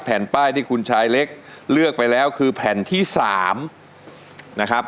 แผ่นป้ายที่คุณชายเล็กเลือกไปแล้วคือแผ่นที่๓นะครับ